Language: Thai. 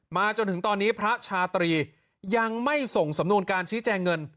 จนถึงตอนนี้พระชาตรียังไม่ส่งสำนวนการชี้แจงเงิน